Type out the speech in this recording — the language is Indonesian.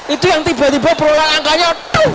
itu yang tiba tiba berolah angkanya